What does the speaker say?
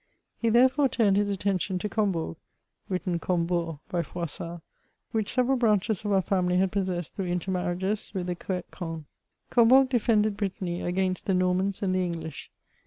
He, therefore, turned his attention to CombOurg (written Combour by Froissart), which several branches of our family had possessed through inter marriages with the Coetquens. Combourg defended Brittany against the Normans and the English.